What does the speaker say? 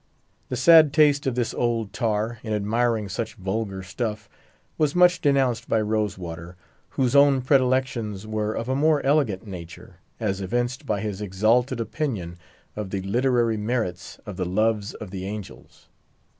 The sad taste of this old tar, in admiring such vulgar stuff, was much denounced by Rose water, whose own predilections were of a more elegant nature, as evinced by his exalted opinion of the literary merits of the "Loves of the Angels."